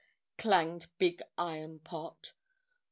clanged Big Iron Pot.